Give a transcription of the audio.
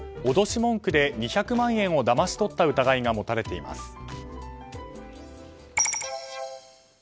脅し文句で２００万円をだまし取った疑いが持たれています。